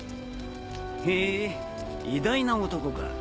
へえ偉大な男か。